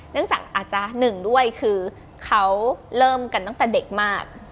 เนื่องจากอาจจะหนึ่งด้วยคือเขาเริ่มกันตั้งแต่เด็กมาก